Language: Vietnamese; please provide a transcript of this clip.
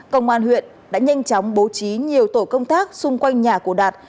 công an huyện đã nhanh chóng bố trí nhiều tổ công tác xung quanh nhà của đạt